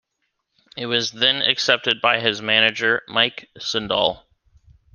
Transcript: It then was accepted by his manager, Mike Sendall.